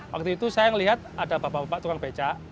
waktu itu saya melihat ada bapak bapak tukang beca